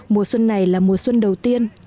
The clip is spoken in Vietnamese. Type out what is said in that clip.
mùa xuân này là mùa xuân đầu tiên